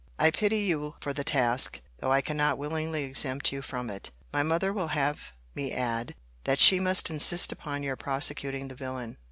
I pity you for the task; though I cannot willingly exempt you from it. My mother will have me add, that she must insist upon your prosecuting the villain.